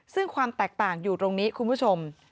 ซึ่งความแตกต่างอยู่ตรงนี้คุณผู้ชม